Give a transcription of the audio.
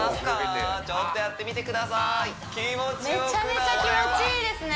めちゃめちゃ気持ちいいですね